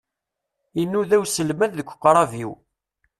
Inuda uselmad deg uqrab-iw.